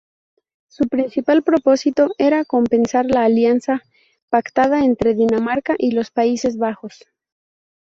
Su principal propósito era compensar la alianza pactada entre Dinamarca y los Países Bajos.